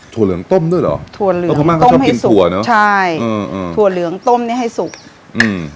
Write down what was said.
ถั่วเหลืองต้มด้วยเหรอถั่วเหลืองต้มให้สุกใช่ถั่วเหลืองต้มนี่ให้สุกอืม